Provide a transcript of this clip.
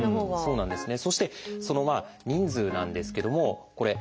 そうなんですよね。